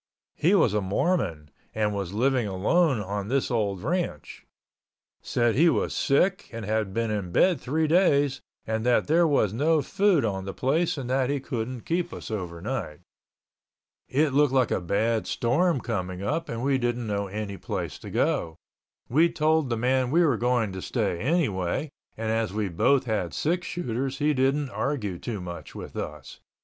He was a Mormon and was living alone on this old ranch. Said he was sick and had been in bed three days and that there was no food on the place and that he couldn't keep us overnight. It looked like a bad storm coming up and we didn't know any place to go. We told the man we were going to stay anyway, and as we both had six shooters he didn't argue too much with us.